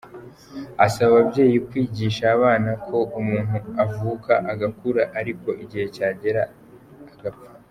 Asaba ababyeyi kwigisha abana ko umuntu avuka, agakura ariko igihe kikagera agapfa.